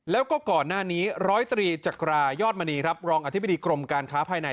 แล้วก็ก่อนหน้านี้ร้อยตรีจักรายอดมณีครับรองอธิบดีกรมการค้าภายใน